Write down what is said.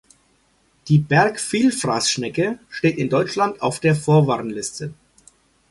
Die Berg-Vielfraßschnecke steht in Deutschland auf der Vorwarnliste.